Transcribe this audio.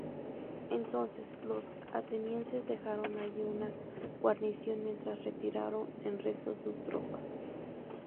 Entonces los atenienses dejaron allí una guarnición mientras retiraron en resto de sus tropas.